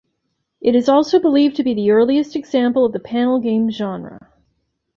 It is also believed to be the earliest example of the panel game genre.